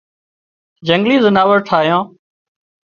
جنگلِي زناور ٺاهيان